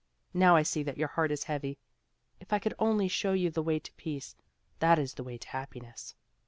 Now I see that your heart is heavy. If I could only show you the way to peace that is the way to happiness.